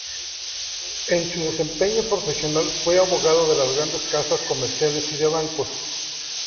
En su desempeño profesional fue abogado de las grandes casas comerciales y de bancos.